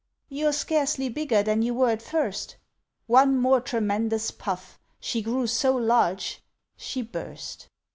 "You're scarcely bigger than you were at first!" One more tremendous puff she grew so large she burst.